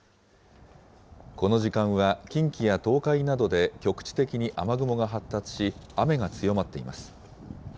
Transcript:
この時間は近畿や東海などで局地的に雨雲が発達し、雨が強まっています。